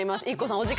ＩＫＫＯさん